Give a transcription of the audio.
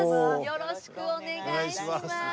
よろしくお願いします。